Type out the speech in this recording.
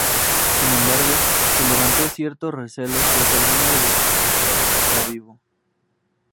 Sin embargo, se levantó cierto recelo pues alguno de los homenajeados está vivo.